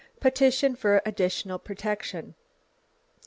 Petition for additional protection.